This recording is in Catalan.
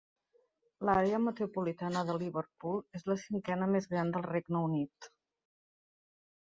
L'àrea metropolitana de Liverpool és la cinquena més gran del Regne Unit.